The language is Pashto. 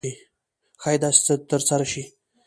ښایي داسې څه ترسره شي.